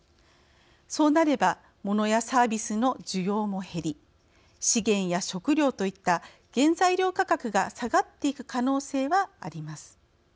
そうなればものやサービスの需要も減り資源や食料といった原材料価格が下がっていく可能性はあります。